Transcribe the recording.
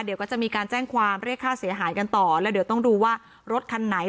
เดี๋ยวก็จะมีการแจ้งความเรียกค่าเสียหายกันต่อแล้วเดี๋ยวต้องดูว่ารถคันไหน